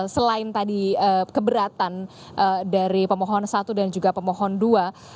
selain tadi keberatan dari pemohon satu dan juga pemohon dua